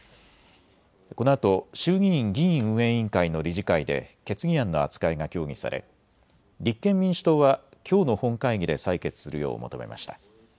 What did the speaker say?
このあと衆議院議院運営委員会の理事会で決議案の扱いが協議され、立憲民主党はきょうの本会議で採決するよう求めました。